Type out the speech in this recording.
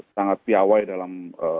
sangat piawai dalam